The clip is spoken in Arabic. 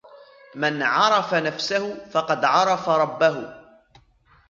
من عرف نفسه فقد عرف ربه.